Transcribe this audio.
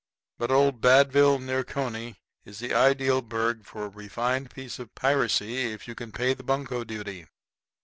But old Badville near Coney is the ideal burg for a refined piece of piracy if you can pay the bunco duty.